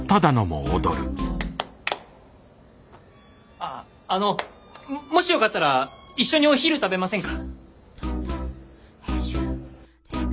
ああのもしよかったら一緒にお昼食べませんか？